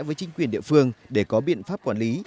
với chính quyền địa phương để có biện pháp quản lý